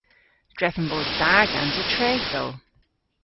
Drefen bos da gansa trethow.